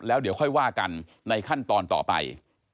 แล้วเดี๋ยวค่อยว่ากันในขั้นตอนต่อไป